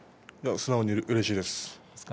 素直にうれしいです。